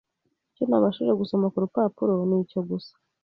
Icyo nabashije gusoma ku rupapuro nicyo gusa